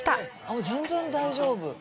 あっ全然大丈夫。